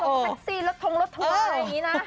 แท็กซี่รถทงรถทัวร์อะไรอย่างนี้นะ